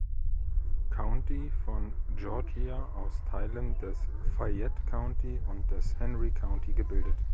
County von Georgia aus Teilen des Fayette County und des Henry County gebildet.